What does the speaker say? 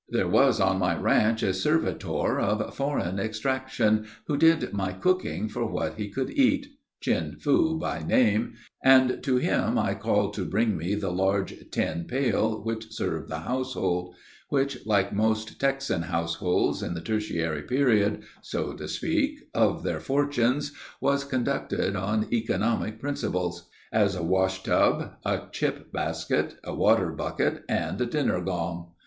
"There was on my ranch a servitor of foreign extraction who did my cooking for what he could eat, Chin Foo by name, and to him I called to bring me the large tin pail, which served the household which, like most Texan households in the Tertiary period, so to speak, of their fortunes, was conducted on economic principles as a washtub, a chip basket, a water bucket, and a dinner gong.